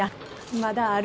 まだある？